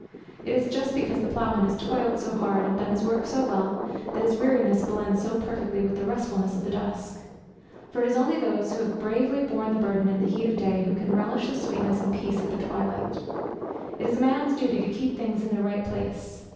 It is just because the ploughman has toiled so hard, and done his work so well, that his weariness blends so perfectly with the restfulness of the dusk. For it is only those who have bravely borne the burden and heat of the day who can relish the sweetness and peace of the twilight. It is a man's duty to keep things in their right place.